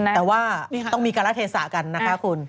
แต่ว่าต้องมีการละเทศะกันนะคะคุณ